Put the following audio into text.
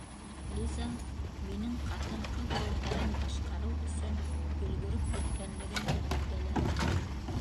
Лиза - минең ҡатын-ҡыҙ ролдәрен башҡарыу өсөн өлгөрөп еткәнлегемде билдәләне.